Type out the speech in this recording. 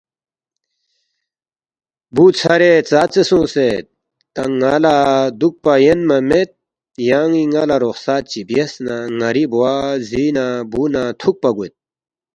بُو ژھرے ژاژے سونگسید؟ تا ن٘ا لہ دُوکپا یَنما مید یان٘ی ن٘ا لہ رخصت چی بیاس نہ ن٘ری بوا زی نہ بُو نہ تُھوکپا گوید